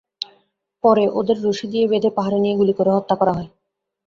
পরে ওদের রশি দিয়ে বেঁধে পাহাড়ে নিয়ে গুলি করে হত্যা করা হয়।